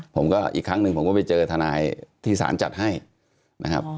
ผมก็อีกครั้งหนึ่งผมก็ไปเจอทนายที่สารจัดให้นะครับ